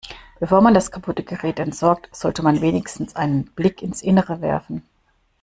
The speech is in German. Bevor man das kaputte Gerät entsorgt, sollte man wenigstens einen Blick ins Innere werfen.